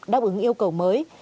đáp ứng yêu cầu mới